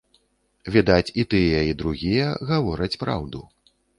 Відаць, і тыя і другія гавораць праўду.